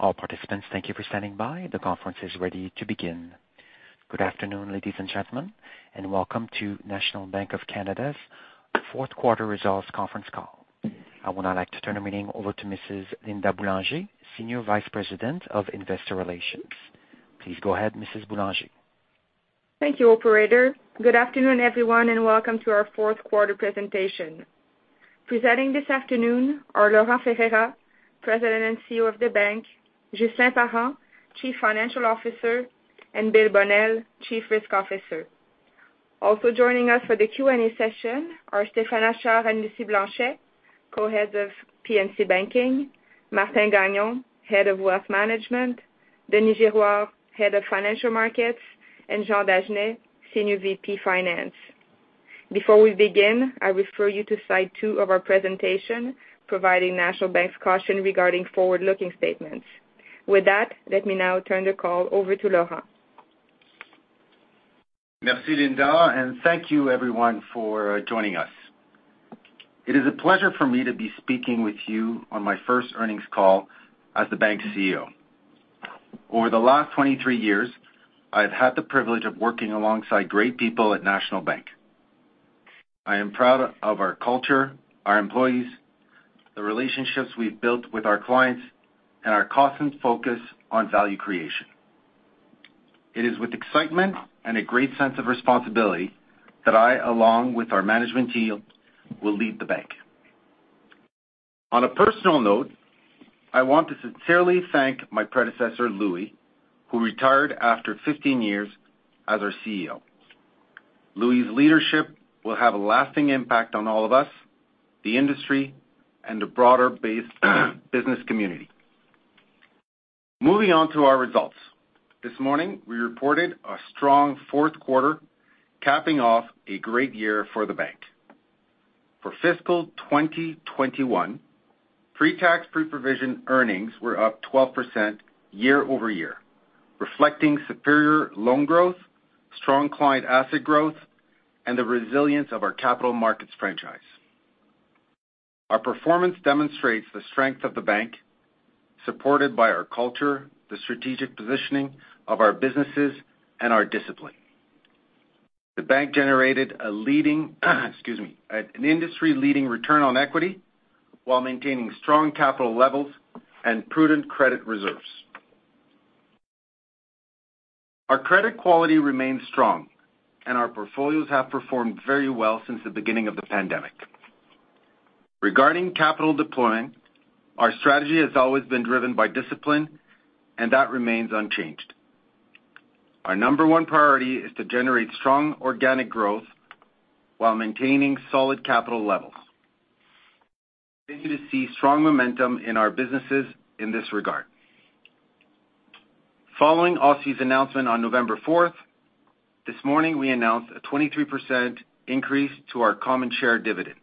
All participants, thank you for standing by. The conference is ready to begin. Good afternoon, ladies and gentlemen, and Welcome to National Bank of Canada's Fourth Quarter Results Conference Call. I would now like to turn the meeting over to Mrs. Linda Boulanger, Senior Vice President of Investor Relations. Please go ahead, Mrs. Boulanger. Thank you, operator. Good afternoon everyone, and welcome to our fourth quarter presentation. Presenting this afternoon are Laurent Ferreira, President and CEO of the bank, Ghislain Parent, Chief Financial Officer, and Bill Bonnell, Chief Risk Officer. Also joining us for the Q&A session are Stéphane Achard and Lucie Blanchet, Co-Heads of P&C Banking, Martin Gagnon, Head of Wealth Management, Denis Girouard, Head of Financial Markets, and Jean Dagenais, Senior VP Finance. Before we begin, I refer you to slide two of our presentation, providing National Bank's caution regarding forward-looking statements. With that, let me now turn the call over to Laurent. Merci, Linda and thank you everyone for joining us. It is a pleasure for me to be speaking with you on my first earnings call as the bank's CEO. Over the last 23 years, I've had the privilege of working alongside great people at National Bank. I am proud of our culture, our employees, the relationships we've built with our clients, and our constant focus on value creation. It is with excitement and a great sense of responsibility that I, along with our management team, will lead the bank. On a personal note, I want to sincerely thank my predecessor, Louis, who retired after 15 years as our CEO. Louis' leadership will have a lasting impact on all of us, the industry, and the broader-based business community. Moving on to our results. This morning, we reported a strong fourth quarter, capping off a great year for the bank. For fiscal 2021, Pre-Tax Pre-Provision earnings were up 12% year-over-year, reflecting superior loan growth, strong client asset growth, and the resilience of our capital markets franchise. Our performance demonstrates the strength of the bank, supported by our culture, the strategic positioning of our businesses, and our discipline. The bank generated an industry-leading Return on Equity while maintaining strong capital levels and prudent credit reserves. Our credit quality remains strong, and our portfolios have performed very well since the beginning of the pandemic. Regarding capital deployment, our strategy has always been driven by discipline, and that remains unchanged. Our number one priority is to generate strong organic growth while maintaining solid capital levels. We continue to see strong momentum in our businesses in this regard. Following OSFI's announcement on November 4th, this morning we announced a 23% increase to our common share dividend.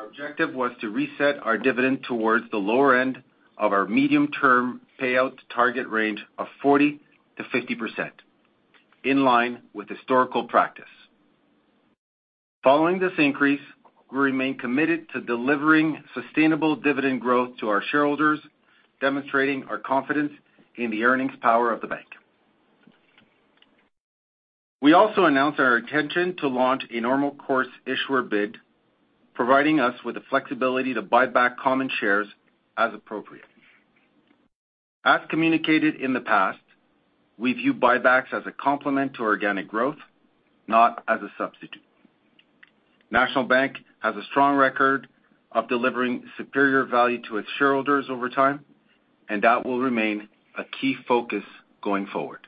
Our objective was to reset our dividend towards the lower end of our medium-term payout target range of 40%-50%, in line with historical practice. Following this increase, we remain committed to delivering sustainable dividend growth to our shareholders, demonstrating our confidence in the earnings power of the bank. We also announced our intention to launch a Normal Course Issuer Bid, providing us with the flexibility to buy back common shares as appropriate. As communicated in the past, we view buybacks as a complement to organic growth, not as a substitute. National Bank has a strong record of delivering superior value to its shareholders over time, and that will remain a key focus going forward.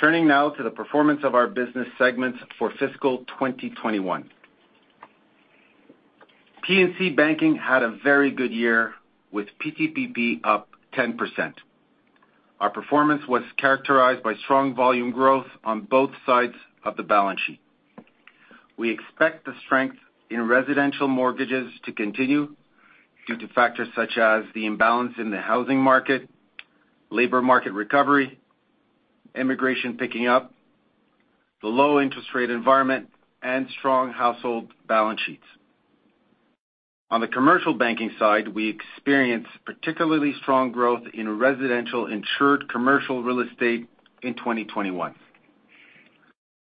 Turning now to the performance of our business segments for fiscal 2021. P&C Banking had a very good year, with PTPP up 10%. Our performance was characterized by strong volume growth on both sides of the balance sheet. We expect the strength in residential mortgages to continue due to factors such as the imbalance in the housing market, labor market recovery, immigration picking up, the low interest rate environment, and strong household balance sheets. On the commercial banking side, we experienced particularly strong growth in residential insured commercial real estate in 2021.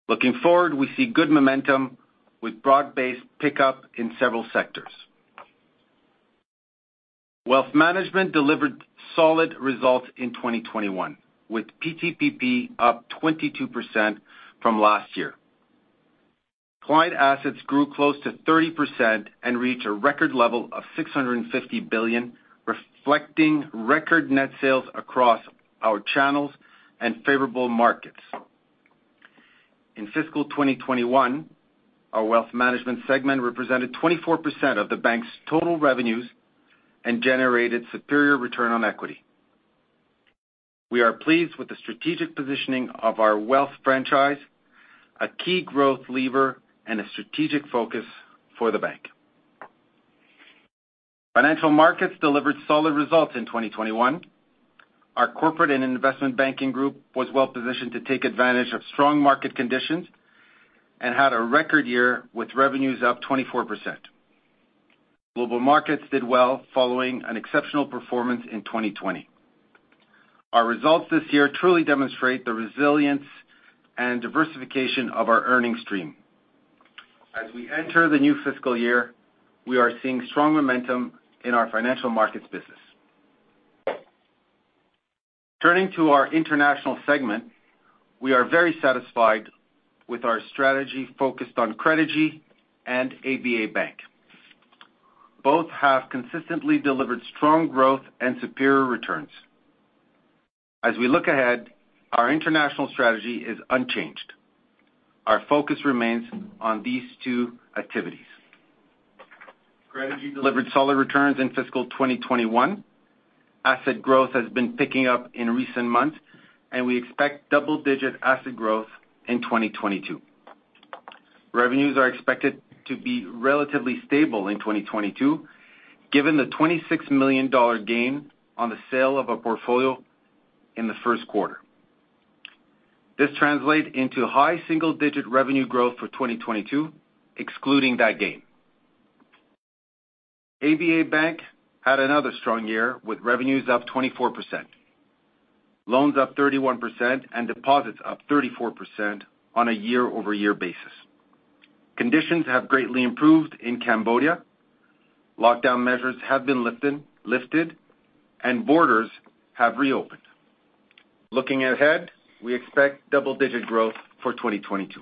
Looking forward, we see good momentum with broad-based pickup in several sectors. Wealth Management delivered solid results in 2021, with PTPP up 22% from last year. Client assets grew close to 30% and reached a record level of 650 billion, reflecting record net sales across our channels and favorable markets. In fiscal 2021, our Wealth Management segment represented 24% of the bank's total revenues and generated superior Return on Equity. We are pleased with the strategic positioning of our wealth franchise, a key growth lever and a strategic focus for the bank. Financial markets delivered solid results in 2021. Our corporate and investment banking group was well-positioned to take advantage of strong market conditions and had a record year with revenues up 24%. Global markets did well following an exceptional performance in 2020. Our results this year truly demonstrate the resilience and diversification of our earnings stream. As we enter the new fiscal year, we are seeing strong momentum in our financial markets business. Turning to our international segment, we are very satisfied with our strategy focused on Credigy and ABA Bank. Both have consistently delivered strong growth and superior returns. As we look ahead, our international strategy is unchanged. Our focus remains on these two activities. Credigy delivered solid returns in fiscal 2021. Asset growth has been picking up in recent months, and we expect double-digit asset growth in 2022. Revenues are expected to be relatively stable in 2022, given the 26 million dollar gain on the sale of a portfolio in the first quarter. This translates into high single-digit revenue growth for 2022, excluding that gain. ABA Bank had another strong year with revenues up 24%, loans up 31% and deposits up 34% on a year-over-year basis. Conditions have greatly improved in Cambodia. Lockdown measures have been lifted, and borders have reopened. Looking ahead, we expect double-digit growth for 2022.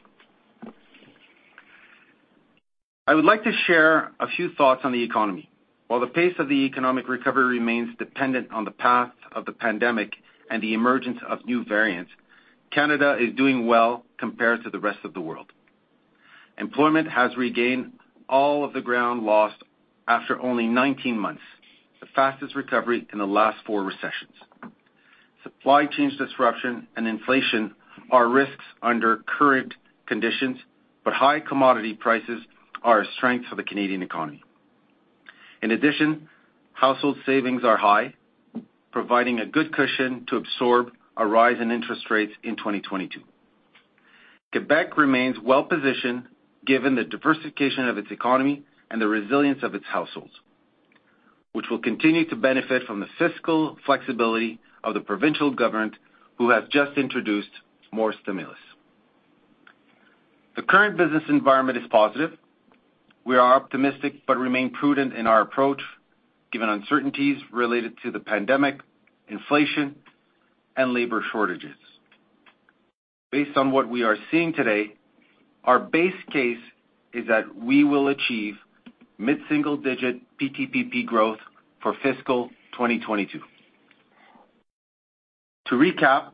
I would like to share a few thoughts on the economy. While the pace of the economic recovery remains dependent on the path of the pandemic and the emergence of new variants, Canada is doing well compared to the rest of the world. Employment has regained all of the ground lost after only 19 months, the fastest recovery in the last four recessions. Supply chain disruption and inflation are risks under current conditions, but high commodity prices are a strength for the Canadian economy. In addition, household savings are high, providing a good cushion to absorb a rise in interest rates in 2022. Quebec remains well-positioned given the diversification of its economy and the resilience of its households, which will continue to benefit from the fiscal flexibility of the provincial government who have just introduced more stimulus. The current business environment is positive. We are optimistic, but remain prudent in our approach, given uncertainties related to the pandemic, inflation, and labor shortages. Based on what we are seeing today, our base case is that we will achieve mid-single digit PTPP growth for fiscal 2022. To recap,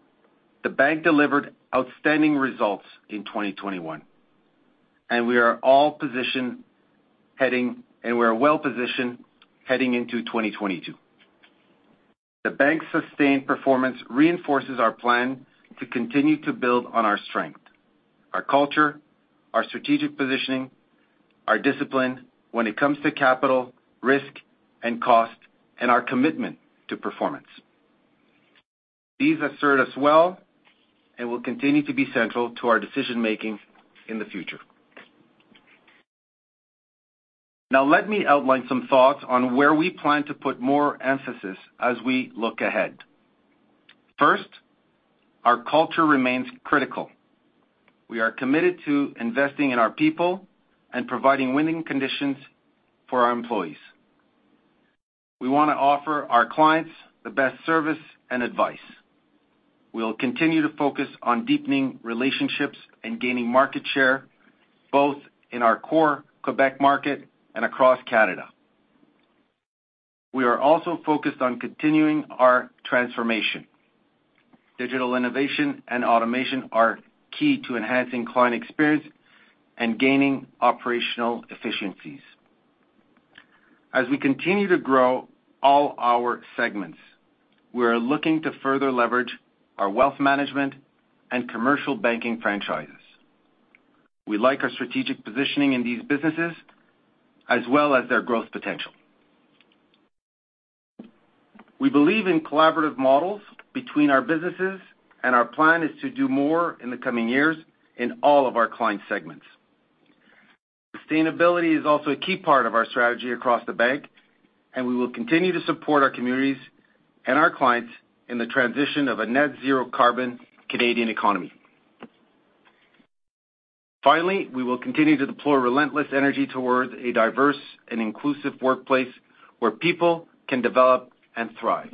the bank delivered outstanding results in 2021, and we are well-positioned heading into 2022. The bank's sustained performance reinforces our plan to continue to build on our strength, our culture, our strategic positioning, our discipline when it comes to capital, risk, and cost, and our commitment to performance. These have served us well and will continue to be central to our decision-making in the future. Now, let me outline some thoughts on where we plan to put more emphasis as we look ahead. First, our culture remains critical. We are committed to investing in our people and providing winning conditions for our employees. We wanna offer our clients the best service and advice. We will continue to focus on deepening relationships and gaining market share, both in our core Quebec market and across Canada. We are also focused on continuing our transformation. Digital innovation and automation are key to enhancing client experience and gaining operational efficiencies. As we continue to grow all our segments, we are looking to further leverage our wealth management and commercial banking franchises. We like our strategic positioning in these businesses, as well as their growth potential. We believe in collaborative models between our businesses, and our plan is to do more in the coming years in all of our client segments. Sustainability is also a key part of our strategy across the bank, and we will continue to support our communities and our clients in the transition of a net zero carbon Canadian economy. Finally, we will continue to deploy relentless energy towards a diverse and inclusive workplace where people can develop and thrive.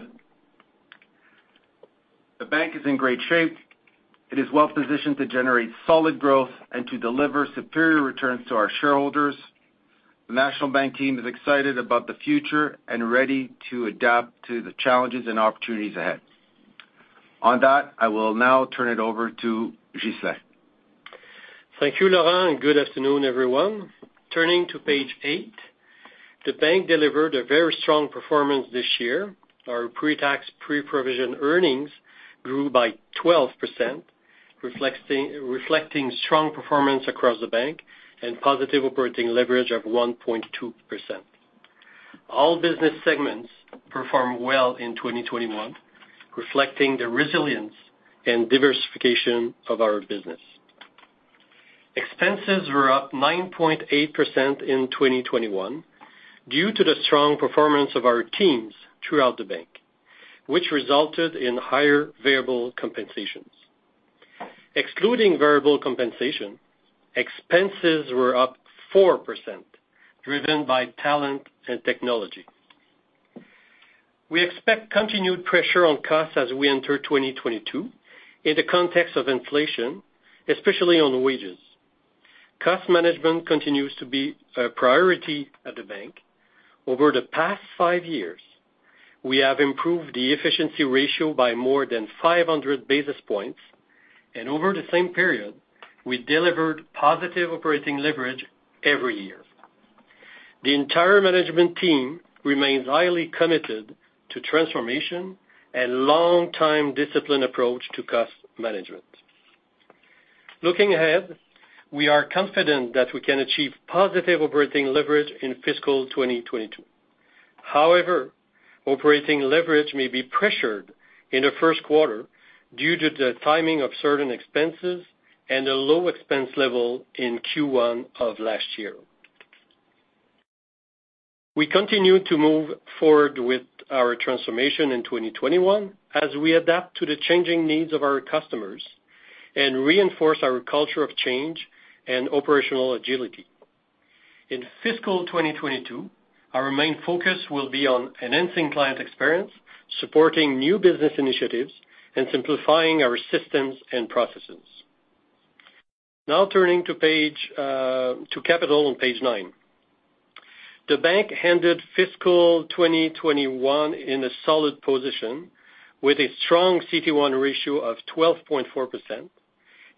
The bank is in great shape. It is well-positioned to generate solid growth and to deliver superior returns to our shareholders. The National Bank team is excited about the future and ready to adapt to the challenges and opportunities ahead. On that, I will now turn it over to Ghislain. Thank you, Laurent and Good afternoon, everyone. Turning to page eight, the bank delivered a very strong performance this year. Our Pre-Tax Pre-Provision Earnings grew by 12%, reflecting strong performance across the bank and positive operating leverage of 1.2%. All business segments performed well in 2021, reflecting the resilience and diversification of our business. Expenses were up 9.8% in 2021 due to the strong performance of our teams throughout the bank, which resulted in higher variable compensations. Excluding variable compensation, expenses were up 4%, driven by talent and technology. We expect continued pressure on costs as we enter 2022 in the context of inflation, especially on wages. Cost management continues to be a priority at the bank. Over the past five years, we have improved the efficiency ratio by more than 500 basis points, and over the same period, we delivered positive operating leverage every year. The entire management team remains highly committed to transformation and long-time discipline approach to cost management. Looking ahead, we are confident that we can achieve positive operating leverage in fiscal 2022. However, operating leverage may be pressured in the first quarter due to the timing of certain expenses and a low expense level in Q1 of last year. We continued to move forward with our transformation in 2021 as we adapt to the changing needs of our customers and reinforce our culture of change and operational agility. In fiscal 2022, our main focus will be on enhancing client experience, supporting new business initiatives, and simplifying our systems and processes. Now turning to capital on page nine. The bank ended fiscal 2021 in a solid position with a strong CET1 ratio of 12.4%,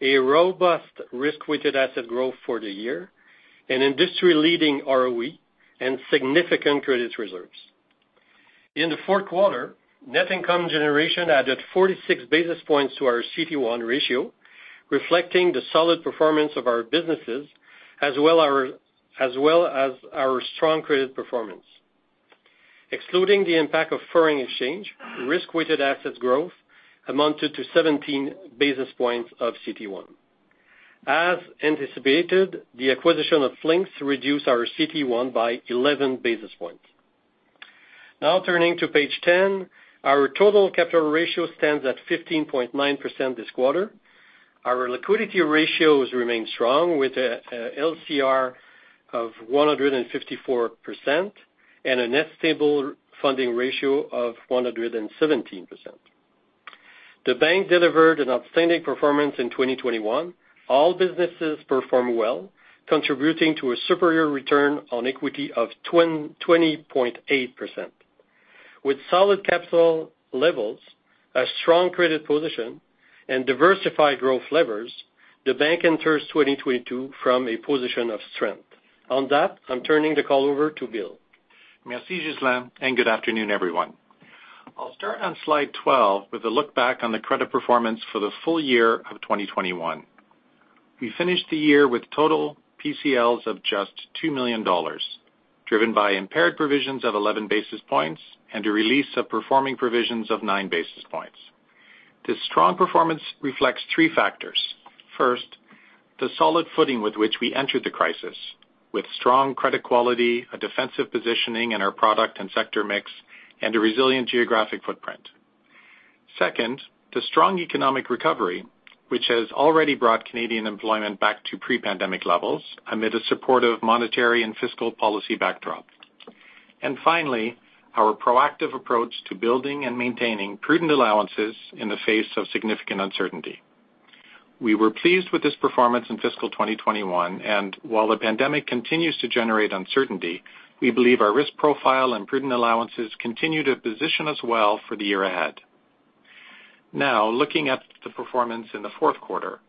a robust risk-weighted asset growth for the year, an industry-leading ROE, and significant credit reserves. In the fourth quarter, net income generation added 46 basis points to our CET1 ratio, reflecting the solid performance of our businesses as well as our strong credit performance. Excluding the impact of foreign exchange, risk-weighted assets growth amounted to 17 basis points of CET1. As anticipated, the acquisition of Flinks reduced our CET1 by 11 basis points. Now turning to page ten, our total capital ratio stands at 15.9% this quarter. Our liquidity ratios remain strong with a LCR of 154% and a net stable funding ratio of 117%. The bank delivered an outstanding performance in 2021. All businesses performed well, contributing to a superior Return on Equity of 20.8%. With solid capital levels, a strong credit position, and diversified growth levers, the bank enters 2022 from a position of strength. On that, I'm turning the call over to Bill. Merci, Ghislain and Good afternoon, everyone. I'll start on slide 12 with a look back on the credit performance for the full year of 2021. We finished the year with total PCLs of just 2 million dollars, driven by impaired provisions of 11 basis points and a release of performing provisions of nine basis points. This strong performance reflects three factors. First, the solid footing with which we entered the crisis, with strong credit quality, a defensive positioning in our product and sector mix, and a resilient geographic footprint. Second, the strong economic recovery, which has already brought Canadian employment back to pre-pandemic levels amid a supportive monetary and fiscal policy backdrop. Finally, our proactive approach to building and maintaining prudent allowances in the face of significant uncertainty. We were pleased with this performance in fiscal 2021, and while the pandemic continues to generate uncertainty, we believe our risk profile and prudent allowances continue to position us well for the year ahead. Now, looking at the performance in the fourth quarter.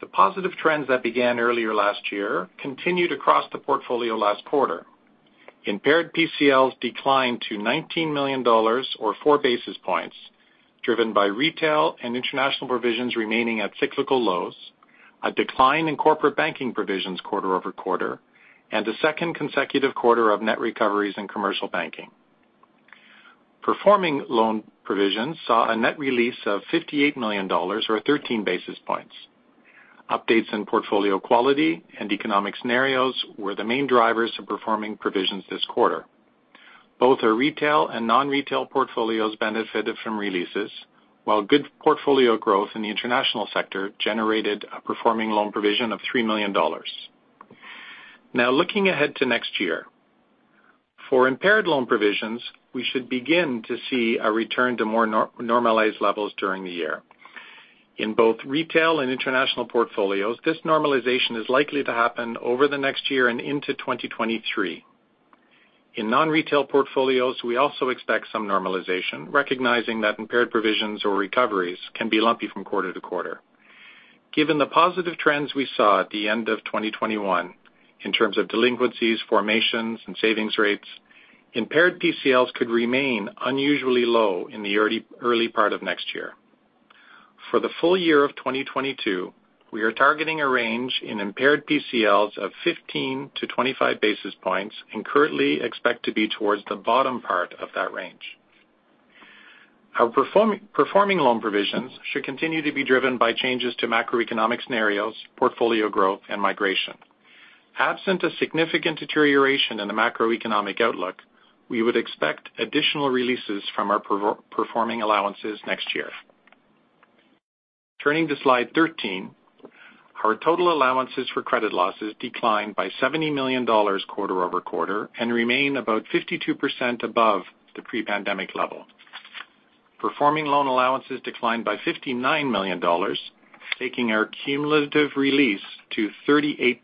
The positive trends that began earlier last year continued across the portfolio last quarter. Impaired PCLs declined to 19 million dollars or 4 basis points, driven by retail and international provisions remaining at cyclical lows, a decline in corporate banking provisions quarter-over-quarter, and a second consecutive quarter of net recoveries in commercial banking. Performing loan provisions saw a net release of 58 million dollars or 13 basis points. Updates in portfolio quality and economic scenarios were the main drivers of performing provisions this quarter. Both our retail and non-retail portfolios benefited from releases, while good portfolio growth in the international sector generated a performing loan provision of 3 million dollars. Now looking ahead to next year, for impaired loan provisions, we should begin to see a return to more normalized levels during the year. In both retail and international portfolios, this normalization is likely to happen over the next year and into 2023. In non-retail portfolios, we also expect some normalization, recognizing that impaired provisions or recoveries can be lumpy from quarter to quarter. Given the positive trends we saw at the end of 2021 in terms of delinquencies, formations, and savings rates, impaired PCLs could remain unusually low in the early part of next year. For the full year of 2022, we are targeting a range in impaired PCLs of 15-25 basis points, and currently expect to be towards the bottom part of that range. Our performing loan provisions should continue to be driven by changes to macroeconomic scenarios, portfolio growth, and migration. Absent a significant deterioration in the macroeconomic outlook, we would expect additional releases from our performing allowances next year. Turning to slide 13, our total allowances for credit losses declined by CAD 70 million quarter-over-quarter and remain about 52% above the pre-pandemic level. Performing loan allowances declined by 59 million dollars, taking our cumulative release to 38%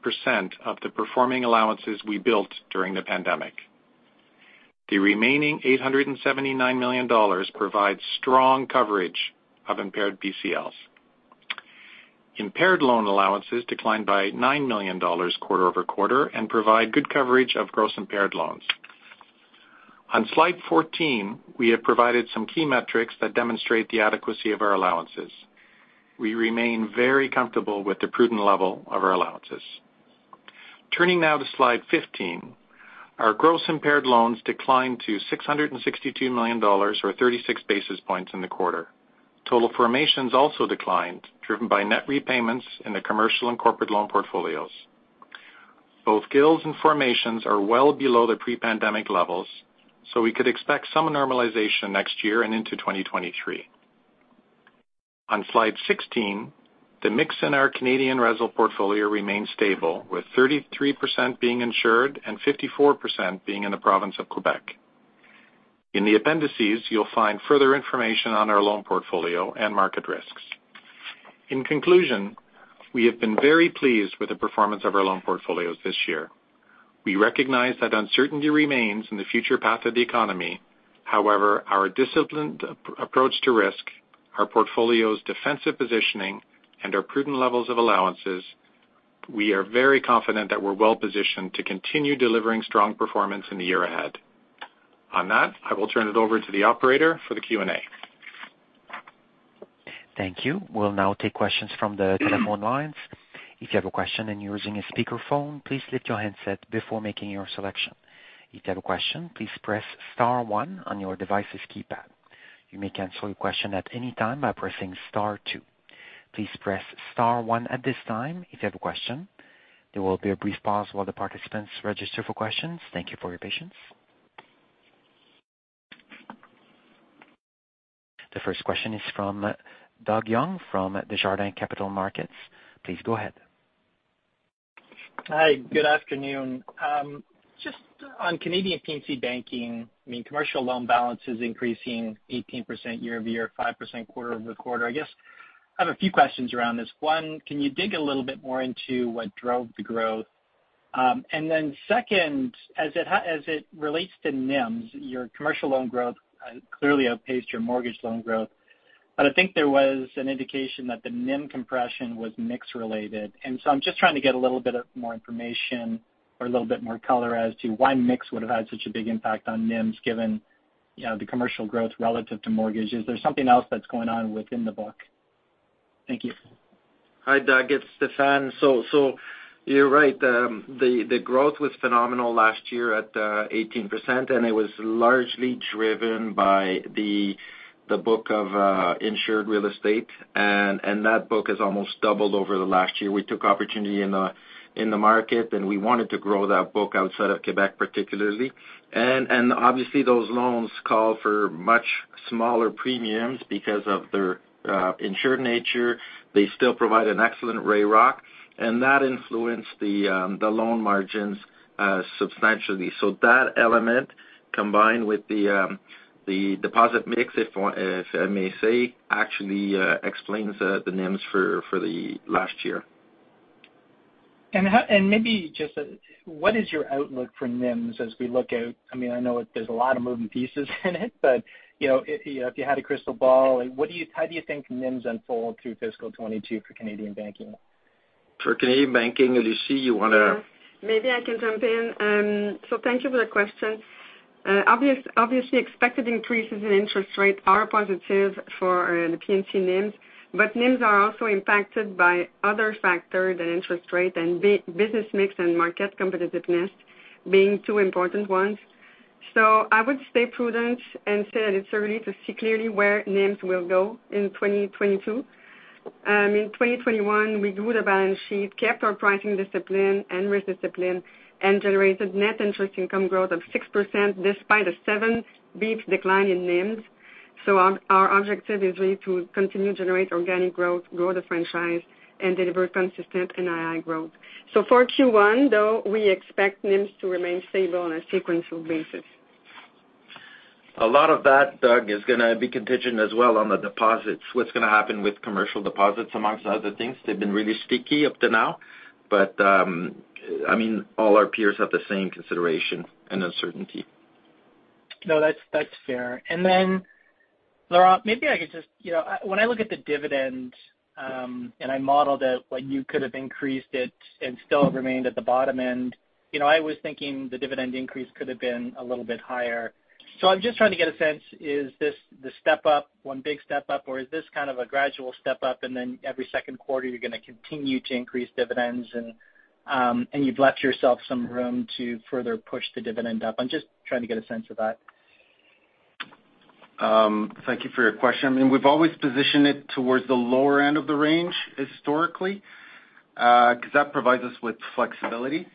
of the performing allowances we built during the pandemic. The remaining 879 million dollars provides strong coverage of impaired PCLs. Impaired loan allowances declined by 9 million dollars quarter-over-quarter and provide good coverage of gross impaired loans. On slide 14, we have provided some key metrics that demonstrate the adequacy of our allowances. We remain very comfortable with the prudent level of our allowances. Turning now to slide 15. Our gross impaired loans declined to 662 million dollars, or 36 basis points in the quarter. Total formations also declined, driven by net repayments in the commercial and corporate loan portfolios. Both GILs and formations are well below their pre-pandemic levels, so we could expect some normalization next year and into 2023. On slide 16, the mix in our Canadian residential portfolio remains stable, with 33% being insured and 54% being in the province of Quebec. In the appendices, you'll find further information on our loan portfolio and market risks. In conclusion, we have been very pleased with the performance of our loan portfolios this year. We recognize that uncertainty remains in the future path of the economy. However, our disciplined approach to risk, our portfolio's defensive positioning, and our prudent levels of allowances, we are very confident that we're well-positioned to continue delivering strong performance in the year ahead. On that, I will turn it over to the operator for the Q&A. Thank you. We'll now take questions from the telephone lines. If you have a question and you're using a speakerphone, please lift your handset before making your selection. If you have a question, please press star one on your device's keypad. You may cancel your question at any time by pressing star two. Please press star one at this time if you have a question. There will be a brief pause while the participants register for questions. Thank you for your patience. The first question is from Doug Young from Desjardins Capital Markets. Please go ahead. Hi. Good afternoon Just on Canadian P&C banking, I mean, commercial loan balance is increasing 18% year-over-year, 5% quarter-over-quarter. I guess I have a few questions around this. One, can you dig a little bit more into what drove the growth? Then second, as it relates to NIMS, your commercial loan growth clearly outpaced your mortgage loan growth, but I think there was an indication that the NIM compression was mix-related. I'm just trying to get a little bit more information or a little bit more color as to why mix would have had such a big impact on NIMS, given, you know, the commercial growth relative to mortgages. There's something else that's going on within the book. Thank you. Hi, Doug it's Stéphane so you're right. The growth was phenomenal last year at 18%, and it was largely driven by the book of insured real estate. That book has almost doubled over the last year. We took opportunity in the market, and we wanted to grow that book outside of Quebec particularly. Obviously those loans call for much smaller premiums because of their insured nature. They still provide an excellent RAROC, and that influenced the loan margins substantially. That element, combined with the deposit mix, if I may say, actually, explains the NIMS for the last year. Maybe just what is your outlook for NIMS as we look out? I mean, I know there's a lot of moving pieces in it, but you know, if you had a crystal ball, like what do you, how do you think NIMS unfold through fiscal 2022 for Canadian banking? For Canadian banking, Lucie, you wanna? Maybe I can jump in. Thank you for the question. Obviously expected increases in interest rates are positive for the P&C NIMS, but NIMS are also impacted by other factors than interest rate and business mix and market competitiveness being two important ones. I would stay prudent and say that it's early to see clearly where NIMS will go in 2022. In 2021, we grew the balance sheet, kept our pricing discipline and risk discipline, and generated net interest income growth of 6% despite a 7 basis points decline in NIMS. Our objective is really to continue to generate organic growth, grow the franchise, and deliver consistent NII growth. For Q1, though, we expect NIMS to remain stable on a sequential basis. A lot of that, Doug, is gonna be contingent as well on the deposits. What's gonna happen with commercial deposits among other things? They've been really sticky up to now, but, I mean, all our peers have the same consideration and uncertainty. No, that's fair and then, Laurent, maybe I could just. You know, when I look at the dividend and I modeled it like you could have increased it and still remained at the bottom end. You know, I was thinking the dividend increase could have been a little bit higher. I'm just trying to get a sense, is this the step up, one big step up, or is this kind of a gradual step up, and then every second quarter you're gonna continue to increase dividends and you've left yourself some room to further push the dividend up? I'm just trying to get a sense of that. Thank you for your question. I mean, we've always positioned it towards the lower end of the range historically, 'cause that provides us with flexibility.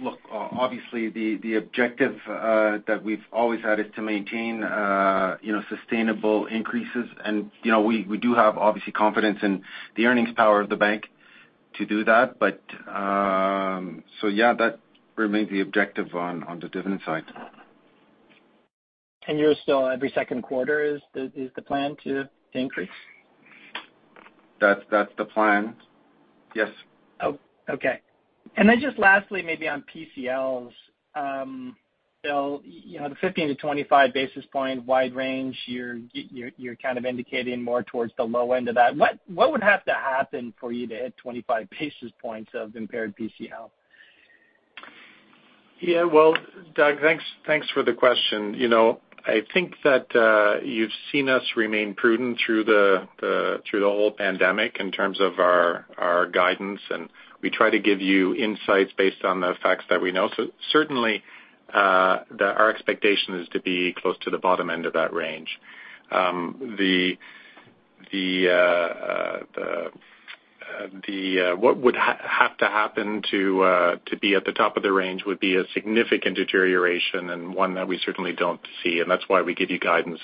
Look, obviously, the objective that we've always had is to maintain you know, sustainable increases. You know, we do have, obviously, confidence in the earnings power of the bank to do that. Yeah, that remains the objective on the dividend side. You're still every second quarter is the plan to increase? That's the plan, yes. Oh, okay. Just lastly, maybe on PCLs. Bill, you know, the 15-25 basis point wide range, you're kind of indicating more towards the low end of that. What would have to happen for you to hit 25 basis points of impaired PCL? Well, Doug, thanks for the question. You know, I think that you've seen us remain prudent through the whole pandemic in terms of our guidance, and we try to give you insights based on the facts that we know. Certainly, our expectation is to be close to the bottom end of that range. What would have to happen to be at the top of the range would be a significant deterioration, and one that we certainly don't see, and that's why we give you guidance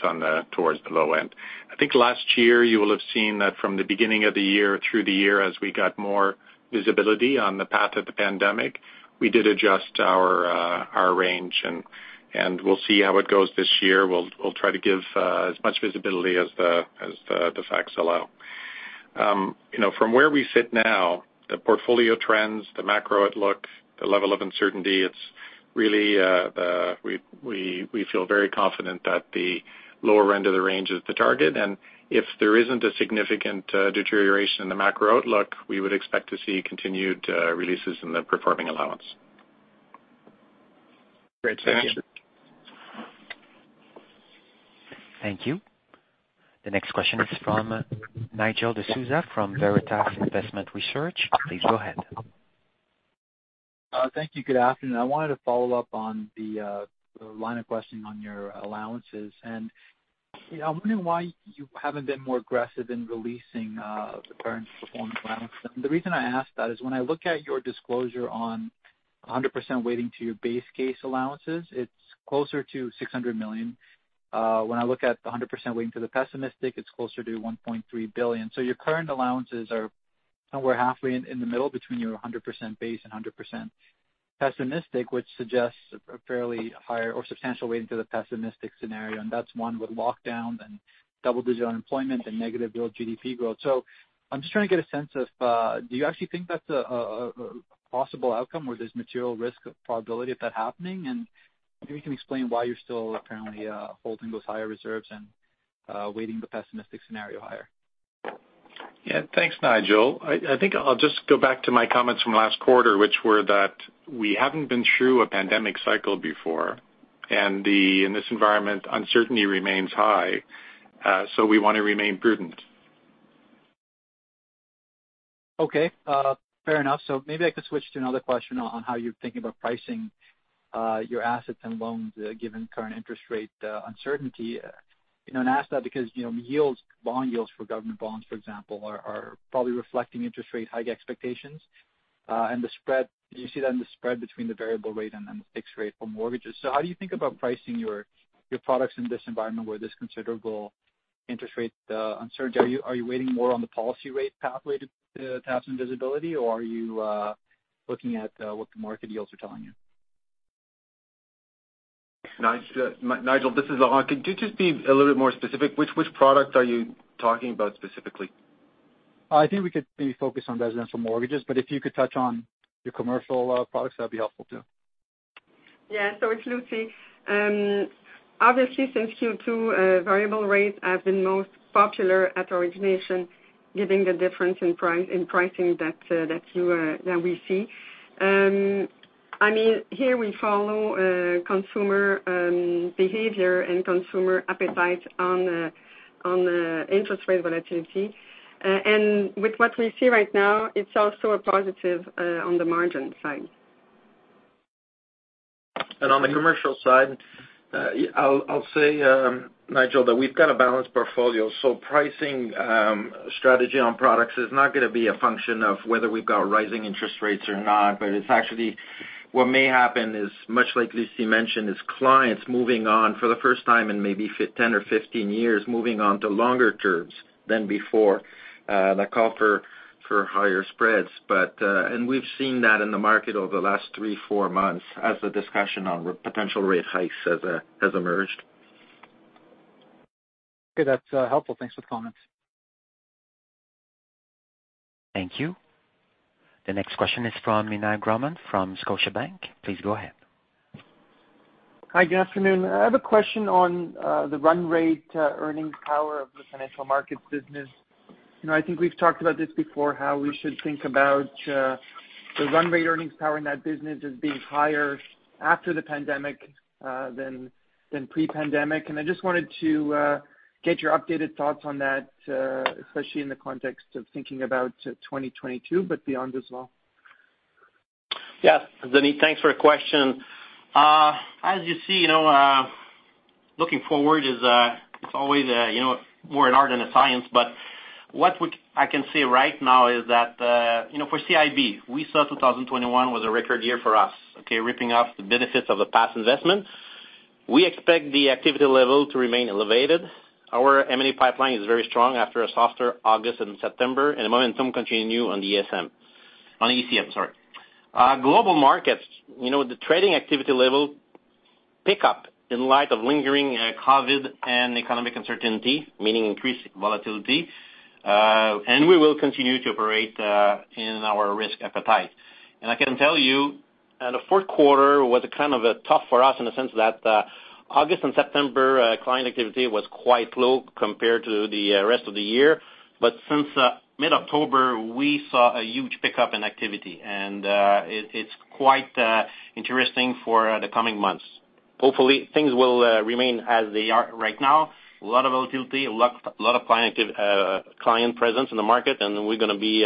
towards the low end. I think last year you will have seen that from the beginning of the year through the year as we got more visibility on the path of the pandemic, we did adjust our range and we'll see how it goes this year. We'll try to give as much visibility as the facts allow. You know, from where we sit now, the portfolio trends, the macro outlook, the level of uncertainty, it's really. We feel very confident that the lower end of the range is the target. If there isn't a significant deterioration in the macro outlook, we would expect to see continued releases in the performing allowance. Great. Thank you. Thanks. Thank you. The next question is from Nigel D'Souza from Veritas Investment Research. Please go ahead. Thank you. Good afternoon. I wanted to follow up on the line of questioning on your allowances. You know, I'm wondering why you haven't been more aggressive in releasing the current performance allowance. The reason I ask that is when I look at your disclosure on 100% weighting to your base case allowances, it's closer to 600 million. When I look at the 100% weighting to the pessimistic, it's closer to 1.3 billion. Your current allowances are somewhere halfway in the middle between your 100% base and 100% pessimistic, which suggests a fairly higher or substantial weighting to the pessimistic scenario. That's one with lockdowns and double-digit unemployment and negative real GDP growth. I'm just trying to get a sense of, do you actually think that's a possible outcome where there's material risk or probability of that happening? Maybe you can explain why you're still apparently holding those higher reserves and weighting the pessimistic scenario higher. Yeah. Thanks, Nigel. I think I'll just go back to my comments from last quarter, which were that we haven't been through a pandemic cycle before. In this environment, uncertainty remains high, so we wanna remain prudent. Okay. Fair enough. Maybe I could switch to another question on how you're thinking about pricing your assets and loans given current interest rate uncertainty. You know, and I ask that because, you know, yields, bond yields for government bonds, for example, are probably reflecting interest rate hike expectations. The spread, do you see that in the spread between the variable rate and then the fixed rate for mortgages? How do you think about pricing your products in this environment where there's considerable interest rate uncertainty? Are you waiting more on the policy rate pathway to have some visibility, or are you looking at what the market yields are telling you? Nigel, this is Laurent. Could you just be a little bit more specific? Which product are you talking about specifically? I think we could maybe focus on residential mortgages, but if you could touch on your commercial products, that'd be helpful too. It's Lucie. Obviously since Q2, variable rates have been most popular at origination, giving the difference in price, in pricing that we see. I mean, here we follow consumer behavior and consumer appetite on interest rate volatility. With what we see right now, it's also a positive on the margin side. On the commercial side, I'll say, Nigel, that we've got a balanced portfolio, so pricing strategy on products is not gonna be a function of whether we've got rising interest rates or not, but it's actually what may happen is, much like Lucie mentioned, is clients moving on for the first time in maybe 10 or 15 years, moving on to longer terms than before, that call for higher spreads. We've seen that in the market of the last three to four months as the discussion on potential rate hikes has emerged. Okay, that's helpful. Thanks for the comments. Thank you. The next question is from Meny Grauman from Scotiabank. Please go ahead. Hi, good afternoon. I have a question on the run rate earnings power of the financial markets business. You know, I think we've talked about this before, how we should think about the run rate earnings power in that business as being higher after the pandemic than pre-pandemic. I just wanted to get your updated thoughts on that, especially in the context of thinking about 2022, but beyond as well. Yes, Meny, thanks for your question. As you see, you know, looking forward is always, you know, more an art than a science. But I can say right now is that, you know, for CIB, we saw 2021 was a record year for us, okay, reaping the benefits of the past investment. We expect the activity level to remain elevated. Our M&A pipeline is very strong after a softer August and September, and momentum continues on the ECM, sorry. Global markets, you know, the trading activity level picked up in light of lingering COVID and economic uncertainty, meaning increased volatility. We will continue to operate in our risk appetite. I can tell you, the fourth quarter was kind of tough for us in the sense that August and September client activity was quite low compared to the rest of the year. Since mid-October, we saw a huge pickup in activity, and it's quite interesting for the coming months. Hopefully, things will remain as they are right now. A lot of volatility, a lot of client presence in the market, and we're gonna be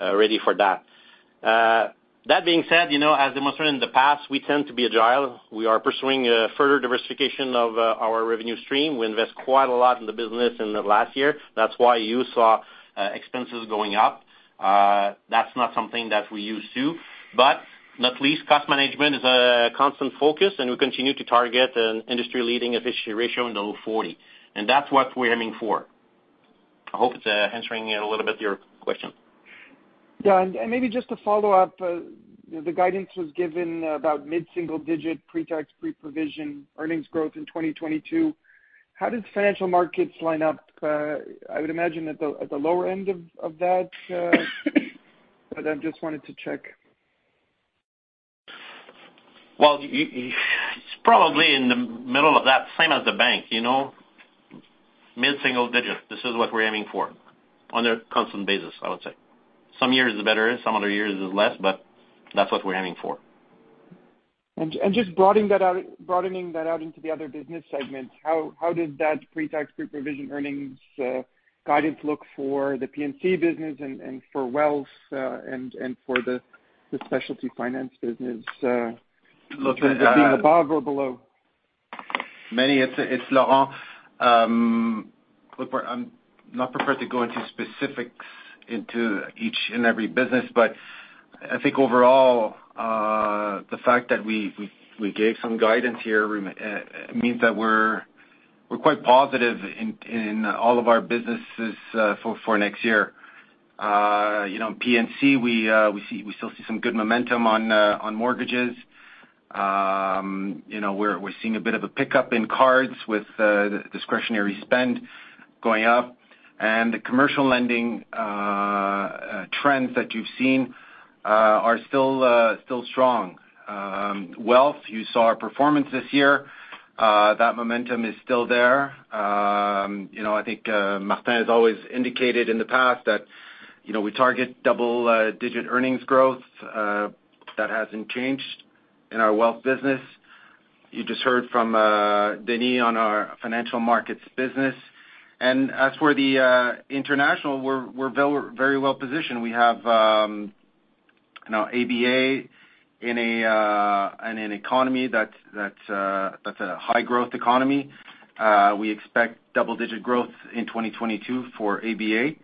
ready for that. That being said, you know, as demonstrated in the past, we tend to be agile. We are pursuing a further diversification of our revenue stream. We invest quite a lot in the business in the last year. That's why you saw expenses going up. That's not something that we're used to. Not least, cost management is a constant focus, and we continue to target an industry-leading efficiency ratio in the low 40%. That's what we're aiming for. I hope it's answering a little bit your question. Yeah. Maybe just to follow up, you know, the guidance was given about mid-single digit Pre-Tax Pre-Provision earnings growth in 2022. How does Financial Markets line up? I would imagine at the lower end of that. I just wanted to check. Well, it's probably in the middle of that, same as the bank, you know. Mid-single digits, this is what we're aiming for on a constant basis, I would say. Some years are better, some other years is less, but that's what we're aiming for. Just broadening that out into the other business segments, how does that Pre-Tax Pre-Provision earnings guidance look for the P&C business and for Wealth and for the Specialty Finance business? Look- In terms of being above or below. Manny, it's Laurent. I'm not prepared to go into specifics into each and every business. I think overall, the fact that we gave some guidance here means that we're quite positive in all of our businesses for next year. You know, P&C, we still see some good momentum on mortgages. You know, we're seeing a bit of a pickup in cards with the discretionary spend going up. The commercial lending trends that you've seen are still strong. Wealth, you saw our performance this year. That momentum is still there. You know, I think Martin has always indicated in the past that, you know, we target double digit earnings growth. That hasn't changed in our Wealth business. You just heard from Denis on our Financial Markets business. As for the international, we're very well positioned. We have, you know, ABA in an economy that's a high growth economy. We expect double-digit growth in 2022 for ABA.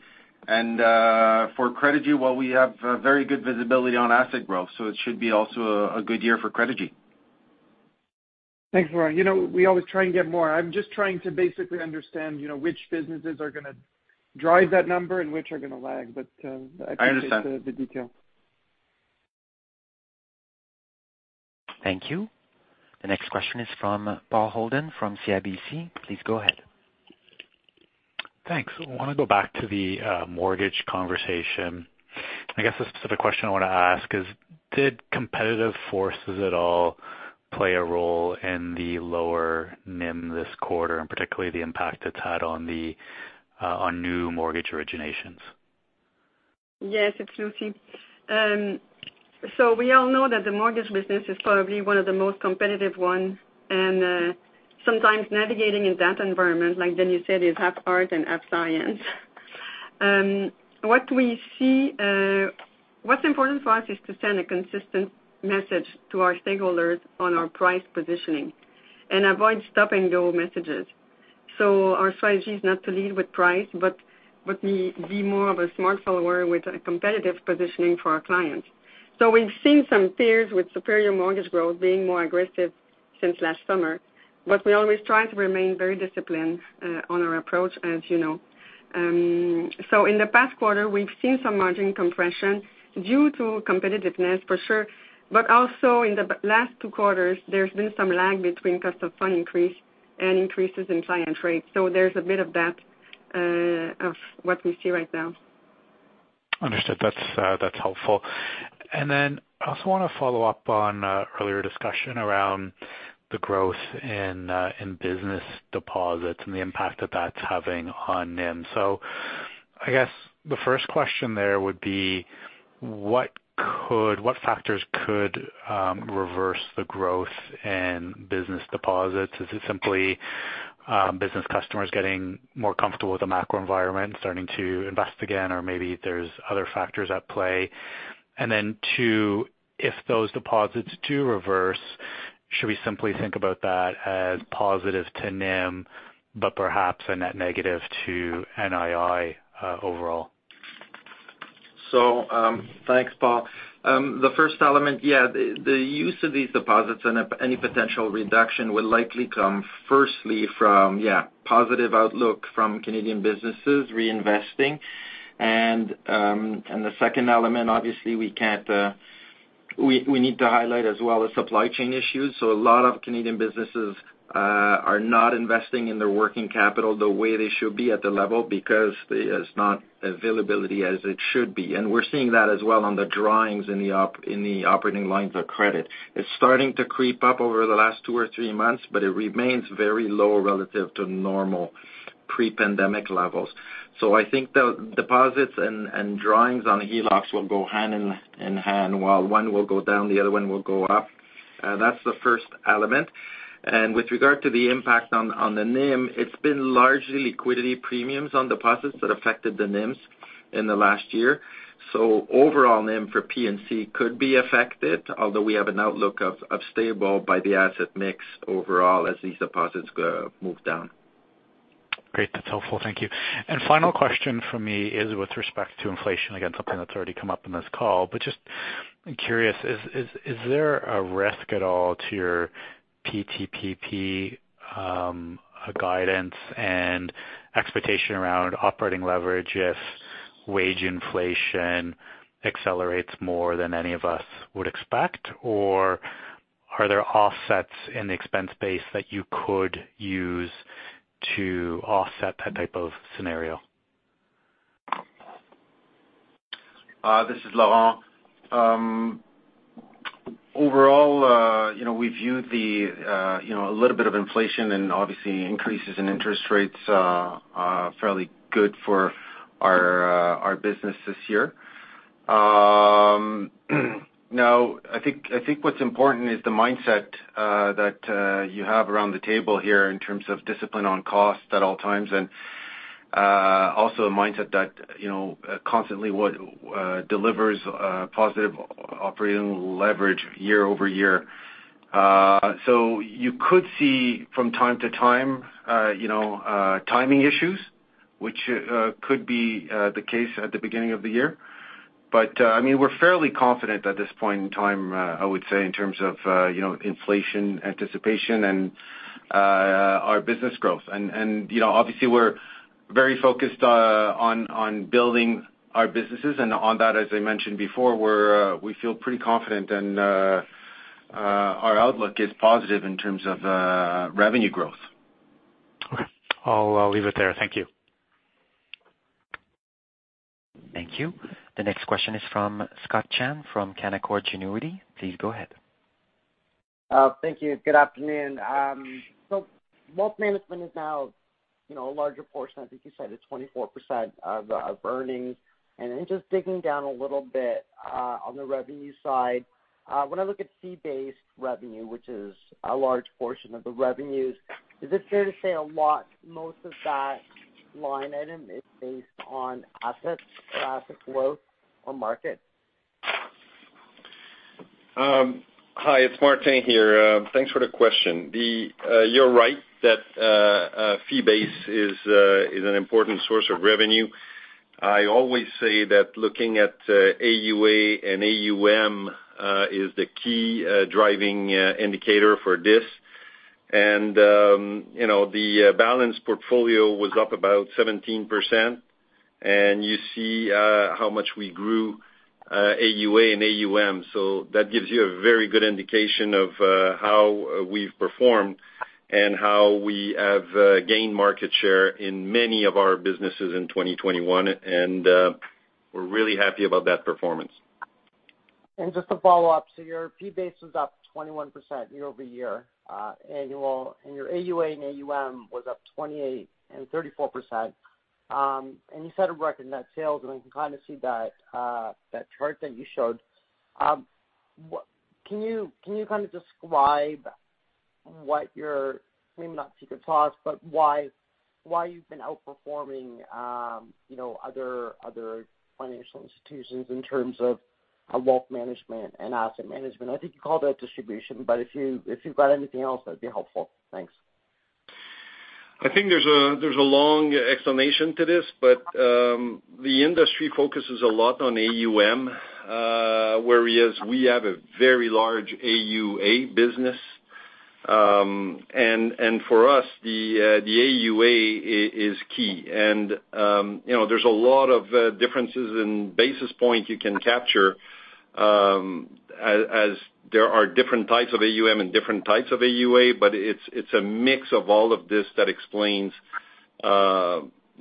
For Credigy, well, we have a very good visibility on asset growth, so it should be also a good year for Credigy. Thanks, Laurent you know, we always try and get more. I'm just trying to basically understand, you know, which businesses are gonna drive that number and which are gonna lag. I understand.... I think that's the detail. Thank you. The next question is from Paul Holden from CIBC. Please go ahead. Thanks. I wanna go back to the mortgage conversation. I guess the specific question I wanna ask is, did competitive forces at all play a role in the lower NIM this quarter, and particularly the impact it's had on new mortgage originations? Yes, it's Lucie. We all know that the mortgage business is probably one of the most competitive one. Sometimes navigating in that environment, like Denis said, is half art and half science. What we see, what's important for us is to send a consistent message to our stakeholders on our price positioning and avoid stop-and-go messages. Our strategy is not to lead with price, but be more of a smart follower with a competitive positioning for our clients. We've seen some peers with superior mortgage growth being more aggressive since last summer. We always try to remain very disciplined on our approach, as you know. In the past quarter, we've seen some margin compression due to competitiveness for sure. In the last two quarters, there's been some lag between cost of funds increase. An Increases in client rates. There's a bit of that, of what we see right now. Understood. That's helpful. Then I also want to follow up on an earlier discussion around the growth in business deposits and the impact that that's having on NIM. I guess the first question there would be: What factors could reverse the growth in business deposits? Is it simply business customers getting more comfortable with the macro environment, starting to invest again, or maybe there's other factors at play? Then, two, if those deposits do reverse, should we simply think about that as positive to NIM, but perhaps a net negative to NII overall? Thanks, Paul. The first element, yeah, the use of these deposits and any potential reduction will likely come firstly from positive outlook from Canadian businesses reinvesting. The second element, obviously, we need to highlight as well the supply chain issues. A lot of Canadian businesses are not investing in their working capital the way they should be at the level because there's not availability as it should be. We're seeing that as well on the drawings in the operating lines of credit. It's starting to creep up over the last two or three months, but it remains very low relative to normal pre-pandemic levels. I think the deposits and drawings on HELOCs will go hand in hand. While one will go down, the other one will go up. That's the first element. With regard to the impact on the NIM, it's been largely liquidity premiums on deposits that affected the NIMs in the last year. Overall NIM for P&C could be affected, although we have an outlook of stable by the asset mix overall as these deposits move down. Great. That's helpful. Thank you. Final question from me is with respect to inflation, again, something that's already come up in this call. Just, I'm curious, is there a risk at all to your PTPP, guidance and expectation around operating leverage if wage inflation accelerates more than any of us would expect? Or are there offsets in the expense base that you could use to offset that type of scenario? This is Laurent. Overall, you know, we view, you know, a little bit of inflation and obviously increases in interest rates fairly good for our business this year. Now I think what's important is the mindset that you have around the table here in terms of discipline on cost at all times. Also a mindset that, you know, constantly what delivers positive operating leverage year-over-year. You could see from time to time, you know, timing issues, which could be the case at the beginning of the year. I mean, we're fairly confident at this point in time, I would say, in terms of, you know, inflation anticipation and our business growth. You know, obviously we're very focused on building our businesses. On that, as I mentioned before, we feel pretty confident and our outlook is positive in terms of revenue growth. Okay. I'll leave it there. Thank you. Thank you. The next question is from Scott Chan from Canaccord Genuity. Please go ahead. Thank you. Good afternoon. So wealth management is now, you know, a larger portion. I think you said it, 24% of earnings. Then just digging down a little bit on the revenue side. When I look at fee-based revenue, which is a large portion of the revenues, is it fair to say a lot, most of that line item is based on assets or asset growth or market? Hi, it's Martin here thanks for the question. You're right that fee-based is an important source of revenue. I always say that looking at AUA and AUM is the key driving indicator for this. You know, the balanced portfolio was up about 17%, and you see how much we grew AUA and AUM. That gives you a very good indication of how we've performed and how we have gained market share in many of our businesses in 2021, and we're really happy about that performance. Just to follow up, so your fee-based was up 21% year-over-year annual, and your AUA and AUM was up 28% and 34%. You set a record in net sales, and we can kind of see that chart that you showed. What can you kind of describe what your maybe not secret sauce, but why you've been outperforming, you know, other financial institutions in terms of wealth management and asset management? I think you called it distribution, but if you've got anything else, that'd be helpful. Thanks. I think there's a long explanation to this, but the industry focuses a lot on AUM, whereas we have a very large AUA business. For us, the AUA is key. You know, there's a lot of differences in basis point you can capture. As there are different types of AUM and different types of AUA, but it's a mix of all of this that explains you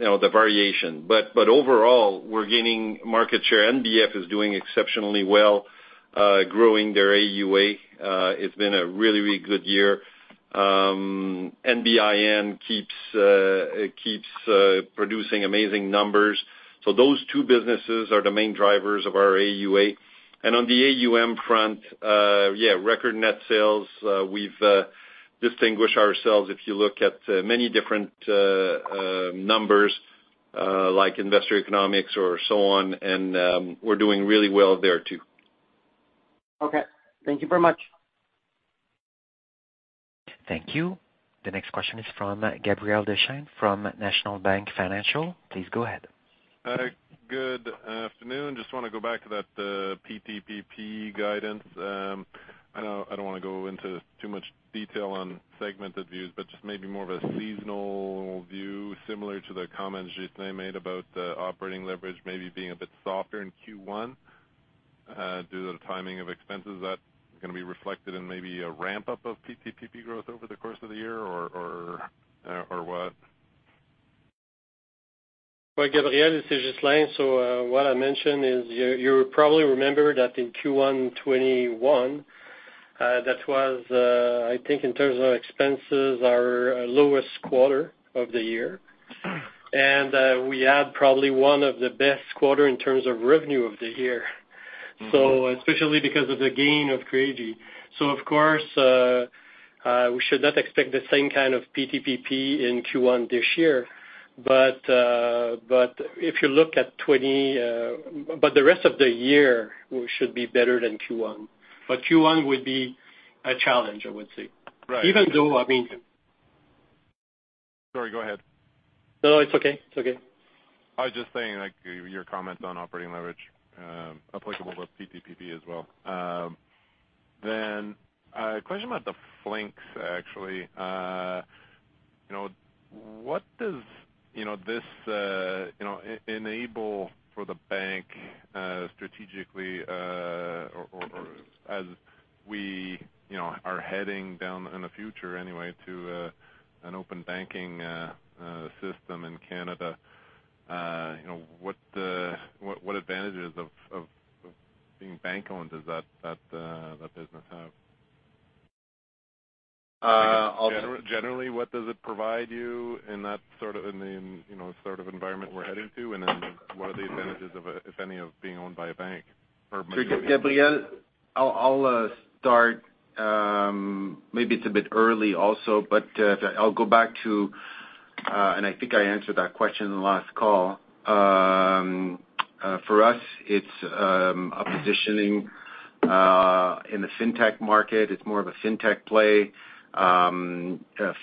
know, the variation. Overall, we're gaining market share. NBF is doing exceptionally well, growing their AUA. It's been a really, really good year. NBIN keeps producing amazing numbers. Those two businesses are the main drivers of our AUA. On the AUM front, yeah, record net sales. We've distinguished ourselves if you look at many different numbers like Investor Economics or so on, and we're doing really well there too. Okay. Thank you very much. Thank you. The next question is from Gabriel Dechaine from National Bank Financial. Please go ahead. Good afternoon. Just wanna go back to that PTPP guidance. I know I don't wanna go into too much detail on segmented views, but just maybe more of a seasonal view, similar to the comments Ghislain made about operating leverage maybe being a bit softer in Q1 due to the timing of expenses. Is that gonna be reflected in maybe a ramp up of PTPP growth over the course of the year or what? Well, Gabriel, this is Ghislain. What I mentioned is you probably remember that in Q1 2021, that was, I think in terms of expenses, our lowest quarter of the year. We had probably one of the best quarter in terms of revenue of the year. Mm-hmm. especially because of the gain of Credigy. Of course, we should not expect the same kind of PTPP in Q1 this year. The rest of the year should be better than Q1. Q1 would be a challenge, I would say. Right. Even though, I mean. Sorry, go ahead. No, no, it's okay. It's okay. I was just saying, like, your comment on operating leverage applicable to PTPP as well. A question about the Flinks, actually. You know, what does this you know enable for the bank strategically, or as we you know are heading down in the future anyway to an open banking system in Canada, you know, what advantages of being bank-owned does that business have? Uh, I'll- Generally, what does it provide you in that sort of, you know, sort of environment we're heading to? What are the advantages of, if any, of being owned by a bank or- Gabriel, I'll start. Maybe it's a bit early also, but I think I answered that question in the last call. For us, it's a positioning in the fintech market. It's more of a fintech play.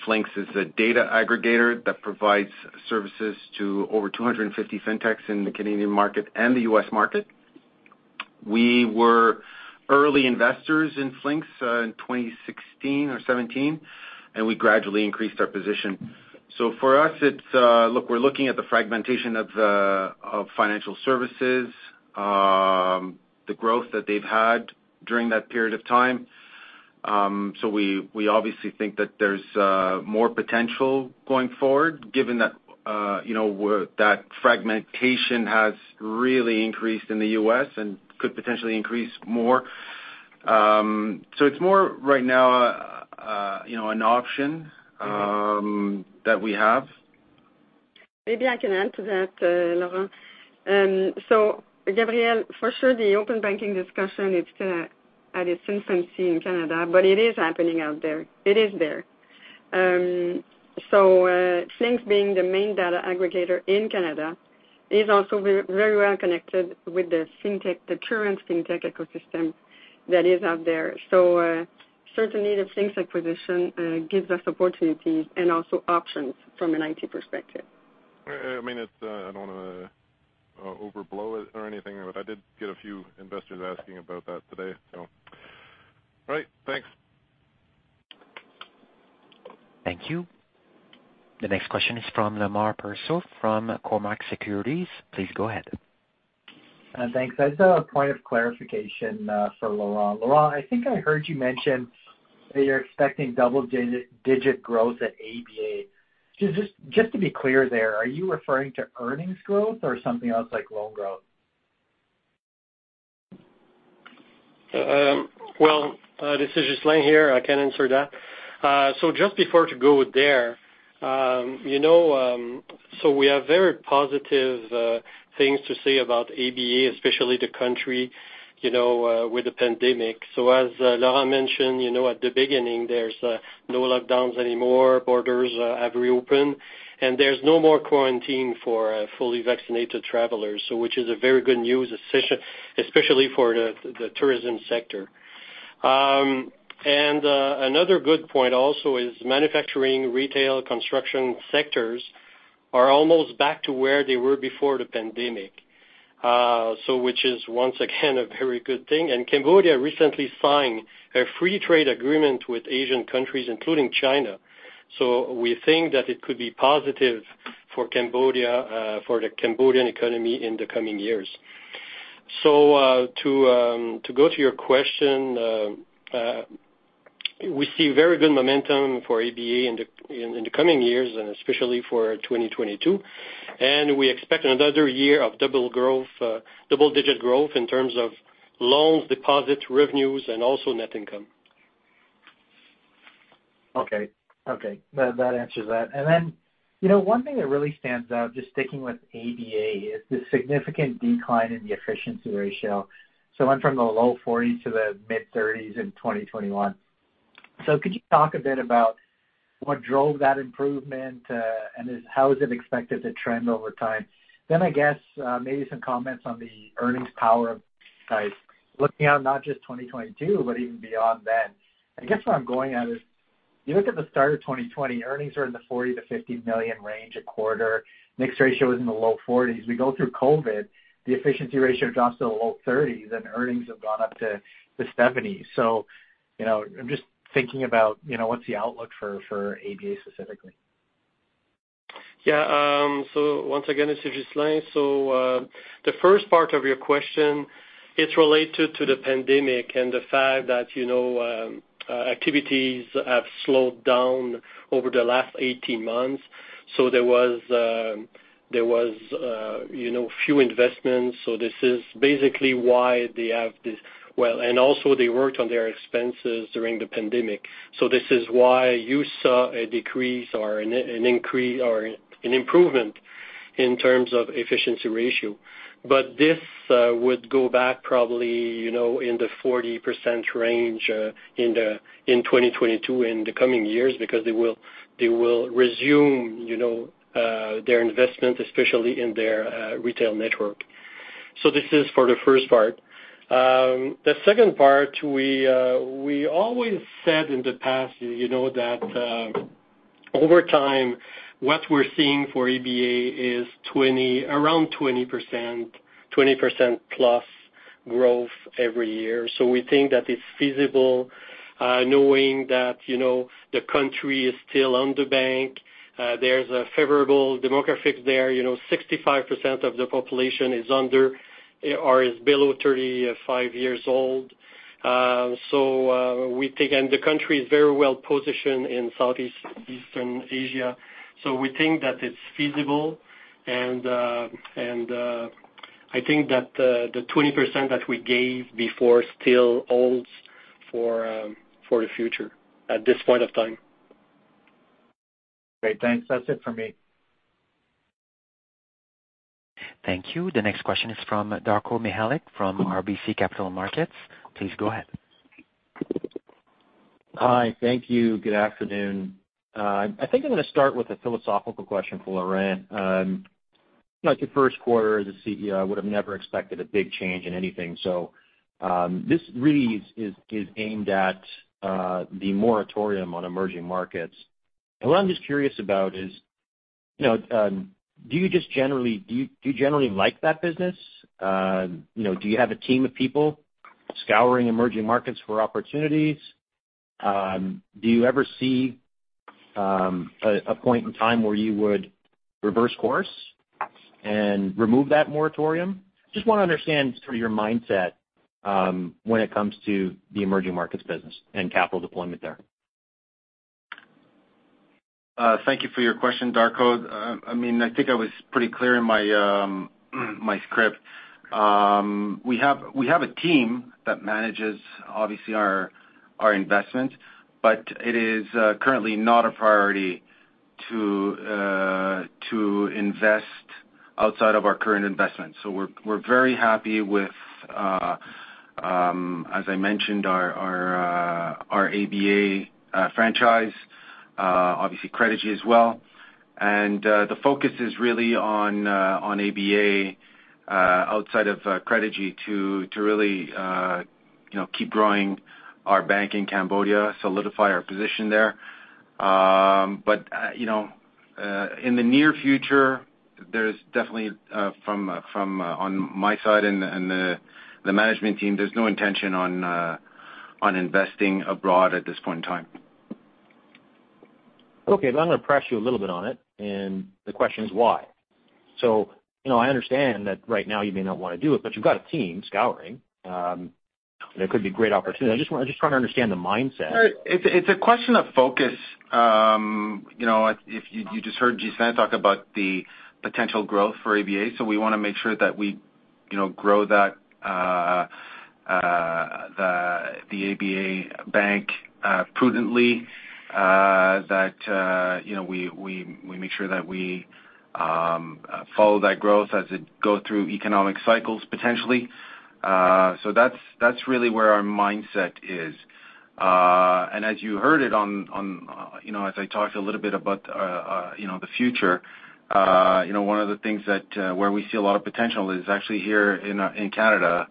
Flinks is a data aggregator that provides services to over 250 fintechs in the Canadian market and the U.S. market. We were early investors in Flinks in 2016-2017, and we gradually increased our position. For us, it's look, we're looking at the fragmentation of financial services, the growth that they've had during that period of time. We obviously think that there's more potential going forward given that, you know, that fragmentation has really increased in the U.S. and could potentially increase more. It's more right now, you know, an option that we have. Maybe I can add to that, Laurent. Gabriel, for sure the open banking discussion is still in its infancy in Canada, but it is happening out there. It is there. Flinks being the main data aggregator in Canada is also very well connected with the current fintech ecosystem that is out there. Certainly the Flinks acquisition gives us opportunities and also options from an IT perspective. I mean, it's, I don't wanna overblow it or anything, but I did get a few investors asking about that today, so. All right. Thanks. Thank you. The next question is from Lemar Persaud from Cormark Securities. Please go ahead. Thanks. I just have a point of clarification for Laurent. Laurent, I think I heard you mention that you're expecting double-digit growth at ABA. Just to be clear there, are you referring to earnings growth or something else like loan growth? This is Ghislain here. I can answer that. Just before to go there, we have very positive things to say about ABA, especially the country with the pandemic. As Laurent mentioned at the beginning, there's no lockdowns anymore, borders have reopened, and there's no more quarantine for fully vaccinated travelers. Which is a very good news, especially for the tourism sector. Another good point also is manufacturing, retail, construction sectors are almost back to where they were before the pandemic, which is once again a very good thing. Cambodia recently signed a free trade agreement with Asian countries, including China. We think that it could be positive for Cambodia for the Cambodian economy in the coming years. To go to your question, we see very good momentum for ABA in the coming years and especially for 2022. We expect another year of double-digit growth in terms of loans, deposits, revenues and also net income. Okay. That answers that. You know, one thing that really stands out, just sticking with ABA, is the significant decline in the efficiency ratio. Went from the low 40s to the mid-30s in 2021. Could you talk a bit about what drove that improvement, and how is it expected to trend over time? I guess, maybe some comments on the earnings power of size, looking at not just 2022, but even beyond then. I guess where I'm going at is you look at the start of 2020, earnings are in the $40 million-$50 million range a quarter. Mixed ratio is in the low 40s. We go through COVID, the efficiency ratio drops to the low 30s and earnings have gone up to the 70s. You know, I'm just thinking about, you know, what's the outlook for ABA specifically? Yeah. Once again, this is Ghislain. The first part of your question, it's related to the pandemic and the fact that, you know, activities have slowed down over the last 18 months. There was, you know, few investments. This is basically why they have this. Well, and also they worked on their expenses during the pandemic. This is why you saw a decrease or an increase or an improvement in terms of efficiency ratio. But this would go back probably, you know, in the 40% range, in 2022, in the coming years, because they will resume, you know, their investment, especially in their retail network. This is for the first part. The second part, we always said in the past, you know, that over time, what we're seeing for ABA is around 20% plus growth every year. We think that it's feasible, knowing that, you know, the country is still underbanked. There's a favorable demographic there. You know, 65% of the population is under or below 35 years old. We think the country is very well positioned in Southeast Asia. We think that it's feasible. I think that the 20% that we gave before still holds for the future at this point of time. Great. Thanks. That's it for me. Thank you. The next question is from Darko Mihelic from RBC Capital Markets. Please go ahead. Hi. Thank you. Good afternoon. I think I'm gonna start with a philosophical question for Laurent. Like your first quarter as a CEO, I would have never expected a big change in anything. This really is aimed at the moratorium on emerging markets. What I'm just curious about is, you know, do you generally like that business? You know, do you have a team of people scouring emerging markets for opportunities? Do you ever see a point in time where you would reverse course and remove that moratorium? Just wanna understand sort of your mindset when it comes to the emerging markets business and capital deployment there. Thank you for your question, Darko. I mean, I think I was pretty clear in my script. We have a team that manages obviously our investments, but it is currently not a priority to invest outside of our current investments. We're very happy with, as I mentioned, our ABA franchise, obviously Credigy as well. The focus is really on ABA outside of Credigy to really you know keep growing our bank in Cambodia, solidify our position there. You know in the near future, there's definitely from my side and the management team, there's no intention on investing abroad at this point in time. Okay. I'm gonna press you a little bit on it, and the question is why. You know, I understand that right now you may not wanna do it, but you've got a team scouring. There could be great opportunities. I'm just trying to understand the mindset. It's a question of focus. You know, if you just heard Ghislain talk about the potential growth for ABA. We wanna make sure that we, you know, grow that the ABA bank prudently, that you know we make sure that we follow that growth as it go through economic cycles potentially. That's really where our mindset is. And as you heard it on, you know, as I talked a little bit about, you know, the future, you know, one of the things that where we see a lot of potential is actually here in Canada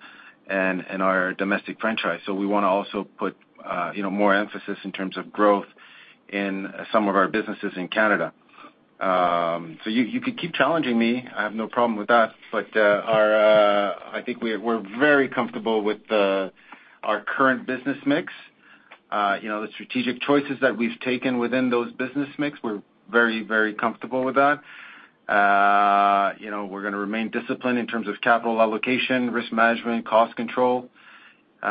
and in our domestic franchise. We wanna also put, you know, more emphasis in terms of growth in some of our businesses in Canada. You can keep challenging me. I have no problem with that, but I think we're very comfortable with our current business mix. You know, the strategic choices that we've taken within those business mix, we're very, very comfortable with that. You know, we're gonna remain disciplined in terms of capital allocation, risk management, cost control, you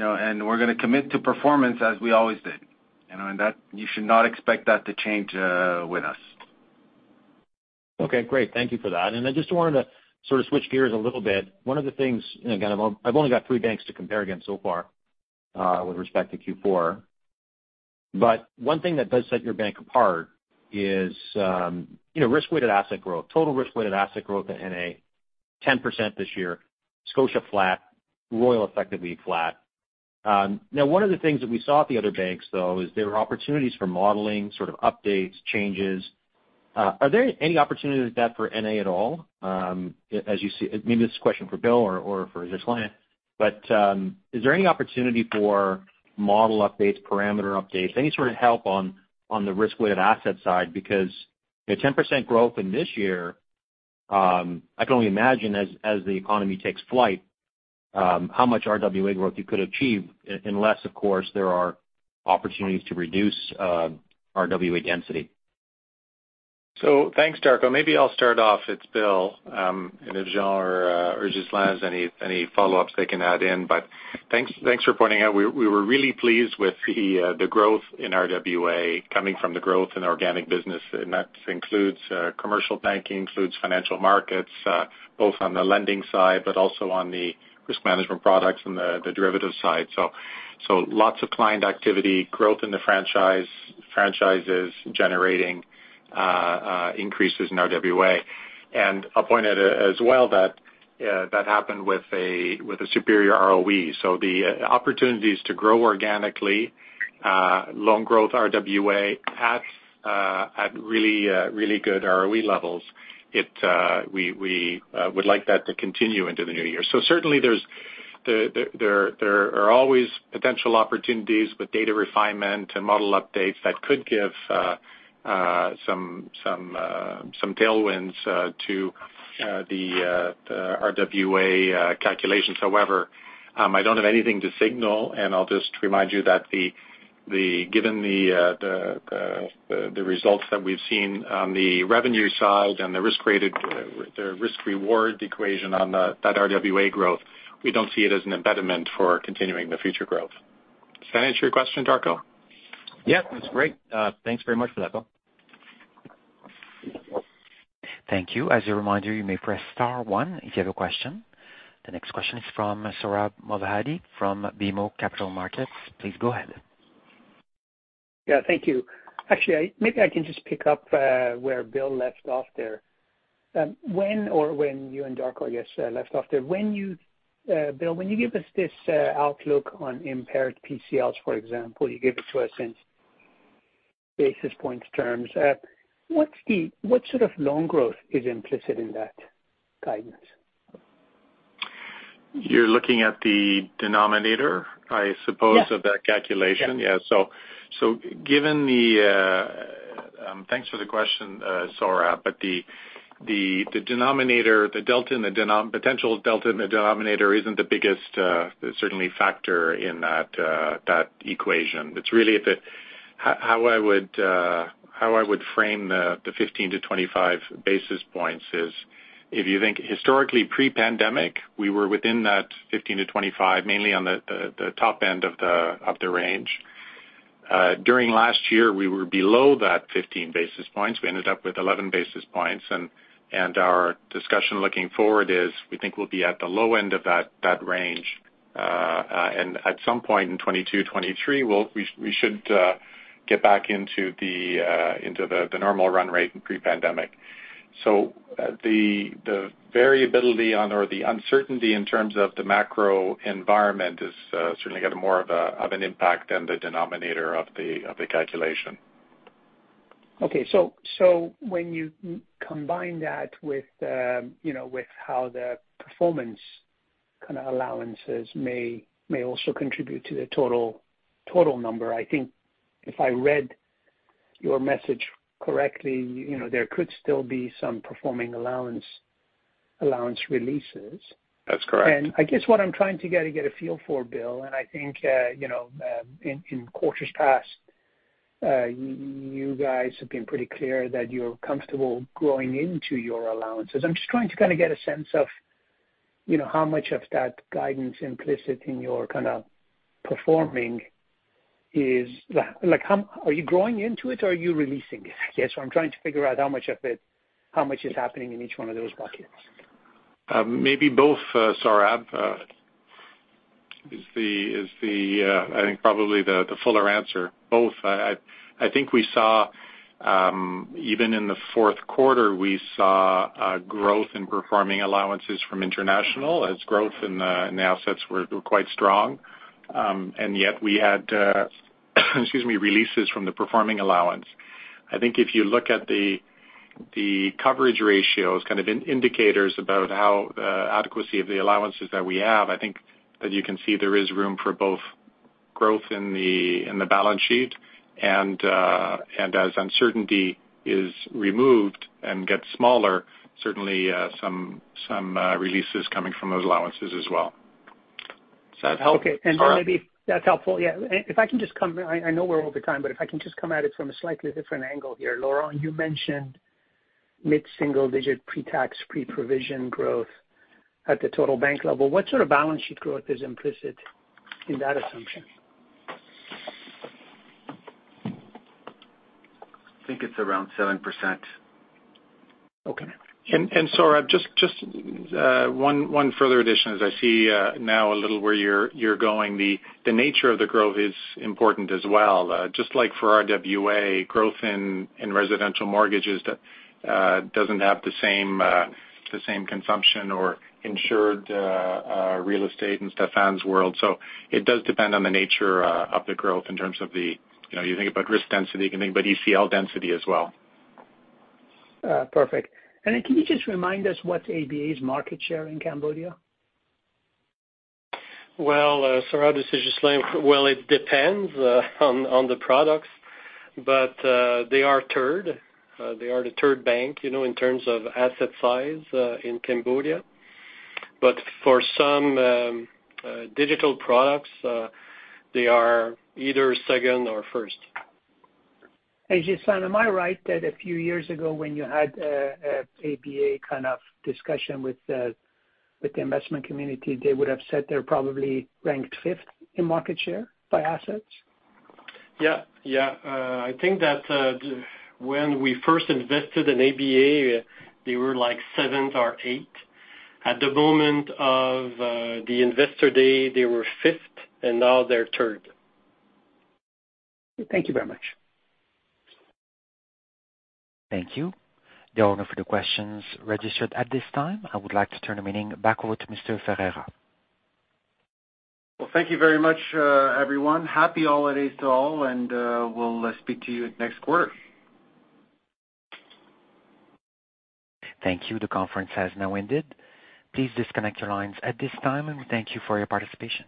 know, and we're gonna commit to performance as we always did, you know, and that you should not expect that to change, with us. Okay, great. Thank you for that. I just wanted to sort of switch gears a little bit. One of the things, you know, kind of I've only got three banks to compare against so far, with respect to Q4. One thing that does set your bank apart is, you know, risk-weighted asset growth. Total risk-weighted asset growth at NA, 10% this year, Scotia flat, Royal effectively flat. Now one of the things that we saw at the other banks though is there were opportunities for modeling, sort of updates, changes. Are there any opportunities like that for NA at all? Maybe this is a question for Bill or for Ghislain. Is there any opportunity for model updates, parameter updates, any sort of help on the risk-weighted asset side? Because a 10% growth in this year, I can only imagine as the economy takes flight, how much RWA growth you could achieve unless of course there are opportunities to reduce RWA density. Thanks, Darko. Maybe I'll start off. It's Bill. If Jean or Ghislain has any follow-ups they can add in. Thanks for pointing out. We were really pleased with the growth in RWA coming from the growth in organic business, and that includes commercial banking, includes financial markets, both on the lending side, but also on the risk management products and the derivative side. Lots of client activity, growth in the franchise, franchises generating increases in RWA. I'll point out as well that that happened with a superior ROE. The opportunities to grow organically, loan growth RWA at really good ROE levels, we would like that to continue into the new year. Certainly there are always potential opportunities with data refinement and model updates that could give some tailwinds to the RWA calculations. However, I don't have anything to signal, and I'll just remind you that given the results that we've seen on the revenue side and the risk/reward equation on that RWA growth, we don't see it as an impediment for continuing the future growth. Does that answer your question, Darko? Yeah, that's great. Thanks very much for that, Bill. Thank you. As a reminder, you may press star one if you have a question. The next question is from Sohrab Movahedi from BMO Capital Markets. Please go ahead. Yeah, thank you. Actually, maybe I can just pick up where Bill left off there. When you and Darko, I guess, left off there. When you, Bill, give us this outlook on impaired PCLs, for example, you gave it to us in basis points terms. What sort of loan growth is implicit in that guidance? You're looking at the denominator, I suppose. Yes. Of that calculation. Yes. Thanks for the question, Sohrab. The denominator, the potential delta in the denominator isn't the biggest certainly factor in that equation. It's really how I would frame the 15-25 basis points is if you think historically pre-pandemic, we were within that 15-25, mainly on the top end of the range. At some point in 2022-2023, we should get back into the normal run rate in pre-pandemic. The variability or the uncertainty in terms of the macro environment is certainly got more of an impact than the denominator of the calculation. When you combine that with, you know, with how the performing kind of allowances may also contribute to the total number, I think if I read your message correctly, you know, there could still be some performing allowance releases. That's correct. I guess what I'm trying to get a feel for, Bill, and I think, you know, in quarters past, you guys have been pretty clear that you're comfortable growing into your allowances. I'm just trying to kind of get a sense of, you know, how much of that guidance implicit in your kind of performing is like how are you growing into it or are you releasing it? I guess what I'm trying to figure out how much is happening in each one of those buckets. Maybe both, Sohrab, is the fuller answer. Both. I think we saw even in the fourth quarter growth in performing allowances from international, as growth in the assets were quite strong. Yet we had, excuse me, releases from the performing allowance. I think if you look at the coverage ratios kind of in indicators about how the adequacy of the allowances that we have, I think that you can see there is room for both growth in the balance sheet and, as uncertainty is removed and gets smaller, certainly some releases coming from those allowances as well. Does that help? Okay. Sohrab? Maybe that's helpful. Yeah. I know we're over time, but if I can just come at it from a slightly different angle here. Laurent, you mentioned mid-single digit Pre-Tax Pre-Provision growth at the total bank level. What sort of balance sheet growth is implicit in that assumption? I think it's around 7%. Okay. Sohrab, just one further addition, as I see where you're going. The nature of the growth is important as well. Just like for RWA, growth in residential mortgages that doesn't have the same consumption or insured real estate in Stéphane's world. It does depend on the nature of the growth in terms of the risk density. You know, you think about risk density, you can think about ECL density as well. Perfect. Can you just remind us what's ABA's market share in Cambodia? Sohrab, this is Ghislain. It depends on the products, but they are third. They are the third bank, you know, in terms of asset size, in Cambodia. But for some digital products, they are either second or first. Hey, Ghislain, am I right that a few years ago when you had a ABA kind of discussion with the investment community, they would have said they're probably ranked fifth in market share by assets? I think that when we first invested in ABA, they were like seventh or eighth. At the moment of the Investor Day, they were fifth, and now they're third. Thank you very much. Thank you. There are no further questions registered at this time. I would like to turn the meeting back over to Mr. Ferreira. Well, thank you very much, everyone. Happy holidays to all and we'll speak to you next quarter. Thank you. The conference has now ended. Please disconnect your lines at this time, and thank you for your participation.